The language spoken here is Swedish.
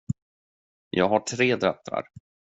Jag har tre döttrar.